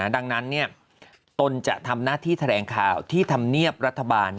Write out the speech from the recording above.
ดังนั้นตนจะทำหน้าที่แถลงข่าวที่ธรรมเนียบรัฐบาล